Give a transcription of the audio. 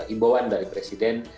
imbauan dari presiden